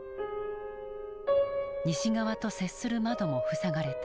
西側と接する窓も塞がれた。